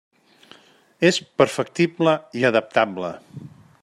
És perfectible i adaptable.